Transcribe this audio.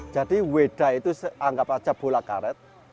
jadi weda itu anggap saja bola karet